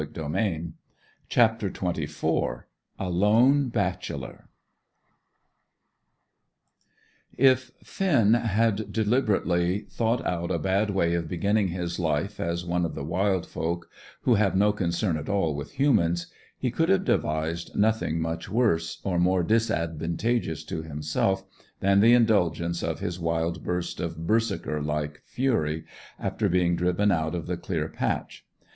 CHAPTER XXIV A LONE BACHELOR If Finn had deliberately thought out a bad way of beginning his life as one of the wild folk, who have no concern at all with humans, he could have devised nothing much worse, or more disadvantageous to himself, than the indulgence of his wild burst of Berserker like fury, after being driven out of the clear patch.